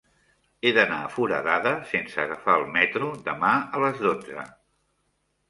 He d'anar a Foradada sense agafar el metro demà a les dotze.